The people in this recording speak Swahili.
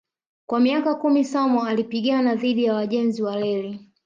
Kwa miaka kumi Samoei alipigana dhidi ya wajenzi wa reli